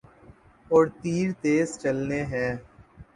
اور تیر تیز چلنے ہیں۔